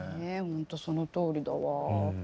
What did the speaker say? ほんとそのとおりだわ。